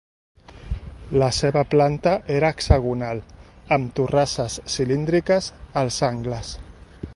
La seva planta era hexagonal, amb torrasses cilíndriques als angles.